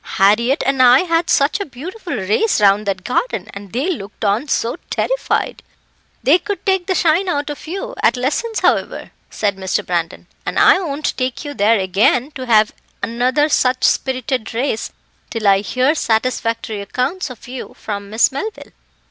Harriett and I had such a beautiful race round that garden, and they looked on so terrified." "They could take the shine out of you at lessons, however," said Mr. Brandon, "and I won't take you there again to have another such spirited race till I hear satisfactory accounts of you from Miss Melville."